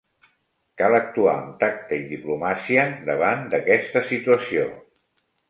Cal actuar amb tacte i diplomàcia davant d'aquesta situació.